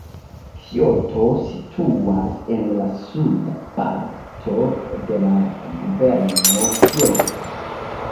Kioto situas en la suda parto de la gubernio Kioto.